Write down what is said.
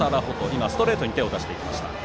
今、ストレートに手を出しました。